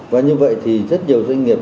và như vậy thì rất nhiều doanh nghiệp